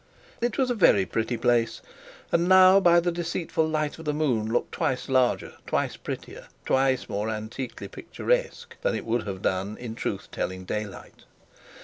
It was a very pretty place, and now by the deceitful light of the moon looked twice larger, twice prettier, twice more antiquely picturesque than it would have done in truth telling daylight.